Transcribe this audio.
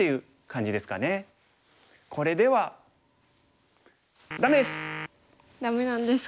これではダメです！